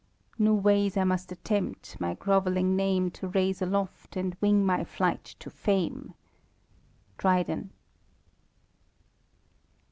New ways 1 must allempl, my (^oveUiog name To raise nloft, and wing my flight to fame." DKViieN.